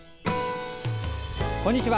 こんにちは。